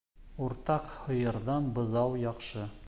Уртаҡ һыйырҙан быҙау яҡшы.